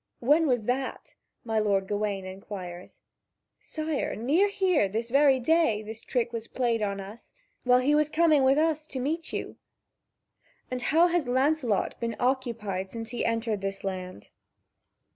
"When was that?" my lord Gawain inquires. "Sire, near here this very day this trick was played on us, while he was coming with us to meet you." "And how has Lancelot been occupied since he entered this land?"